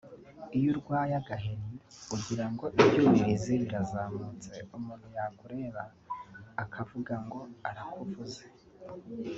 iyo urwaye agaheri ugira ngo ibyuririzi birazamutse… Umuntu yakureba akavuga ngo arakuvuze